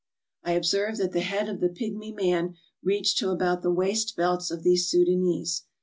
I observed that the head of the pigmy man reached to about the waist belts of these Soudanese.